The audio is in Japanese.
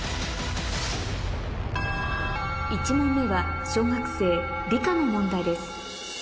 １問目は小学生理科の問題です